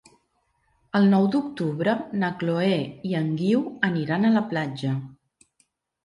El nou d'octubre na Chloé i en Guiu aniran a la platja.